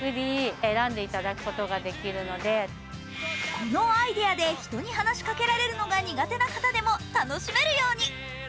このアイデアで人に話しかけられるのが苦手な方でも楽しめるように。